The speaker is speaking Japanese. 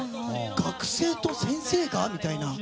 学生と先生が？みたいな。